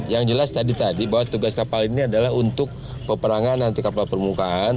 yang jelas tadi tadi bahwa tugas kapal ini adalah untuk peperangan anti kapal permukaan